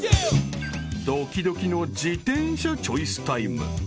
［ドキドキの自転車チョイスタイム］